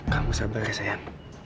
kamu sabar ya sayang